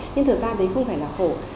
nhưng thực ra đấy không phải là khổ